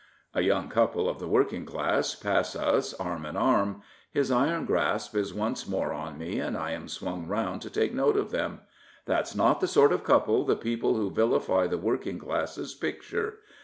A young couple of the working class pass us arm in arm. His iron grasp is once more on me, and I am swung round to take note of them. " That's not the sort of couple the people who vilify the working classes picture.